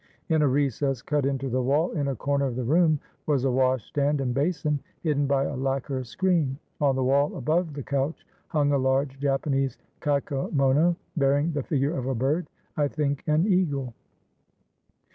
In a recess cut into the wall in a corner of the room was a washstand and basin, hidden by a lacquer screen. On the wall above the couch hung a large Japanese kakemono, bearing the figure of a bird, I think an eagle.